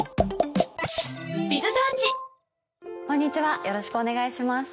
こんにちはよろしくお願いします。